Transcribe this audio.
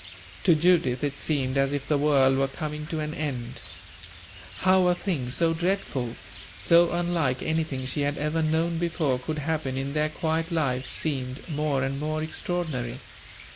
To Judith it seemed as if the world were coming to an end. How a thing so dreadful, so unlike anything she had ever known before, could happen in their quiet lives, seemed more and more extraordinary.